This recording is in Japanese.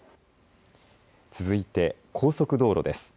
続いて高速道路です。